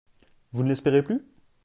Vous ne l’espérez plus ?…